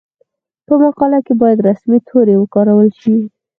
په مقاله کې باید رسمي توري وکارول شي.